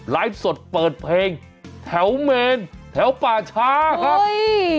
ไลฟ์สดเปิดเพลงแถวเมนแถวป่าช้าครับ